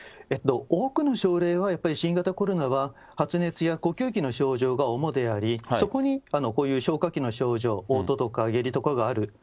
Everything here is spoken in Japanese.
多くの症例はやっぱり新型コロナは、発熱や呼吸器の症状が主であり、そこにこういう消化器の症状、おう吐とか下痢とかがある。